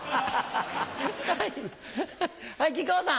はい木久扇さん。